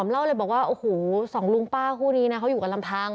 แล้วบอกว่าสองลุงป้าคู่นี้คอยู่กันลำทัง